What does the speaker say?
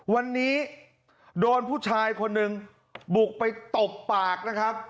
วันนี้โดนผู้ชายคนหนึ่งบุกไปตบปากนะครับ